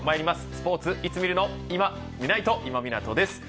スポーツいつ見るのいまみないと、今湊です。